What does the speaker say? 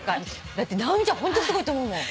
だって直美ちゃんホントすごいと思うもん。